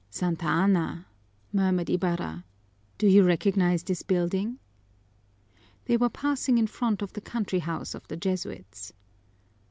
"Santa Ana!" murmured Ibarra. "Do you recognize this building?" They were passing in front of the country house of the Jesuits.